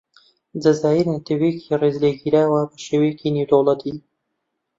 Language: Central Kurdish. جەزائیر نەتەوەیەکی ڕێز لێگیراوە بەشێوەیەکی نێودەوڵەتی.